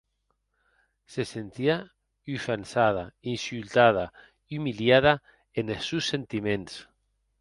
Se sentie ofensada, insultada, umiliada enes sòns sentiments.